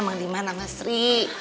menghidupkan anaknya sri